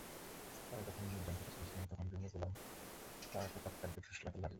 তারা যখন নির্জন পথে চলছিলেন তখন রুমী গোলাম তাকে পাপকার্যে ফুসলাতে লাগল।